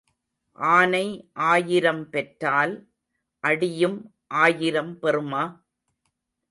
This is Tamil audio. ஆனை ஆயிரம் பெற்றால் அடியும் ஆயிரம் பெறுமா?